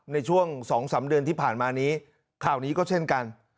ในช่วง๒๓เดือนที่ผ่านมานี้ข่าวนี้ก็เช่นกัน